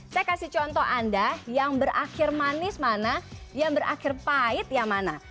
saya kasih contoh anda yang berakhir manis mana yang berakhir pahit yang mana